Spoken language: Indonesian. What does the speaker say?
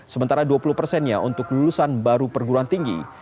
sementara dua puluh persennya untuk lulusan baru perguruan tinggi